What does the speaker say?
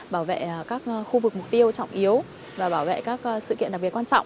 bảo vệ các khu vực mục tiêu trọng yếu và bảo vệ các sự kiện đặc biệt quan trọng